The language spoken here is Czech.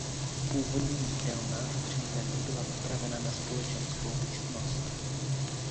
Původní jídelna v přízemí byla upravena na společenskou místnost.